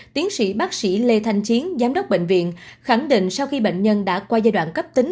tiến sĩ bác sĩ lê thanh chiến giám đốc bệnh viện khẳng định sau khi bệnh nhân đã qua giai đoạn cấp tính